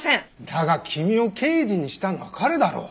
だが君を刑事にしたのは彼だろう。